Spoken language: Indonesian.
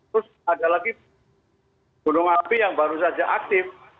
terus ada lagi gunung api yang baru saja aktif